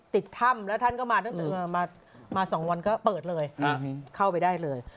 ติดถ้ำแล้วท่านก็มาตั้งแต่มา๒วันก็เปิดเลยเข้าไปได้เลย